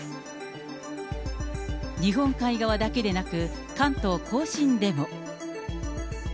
日本海側だけでなく、関東甲信でも。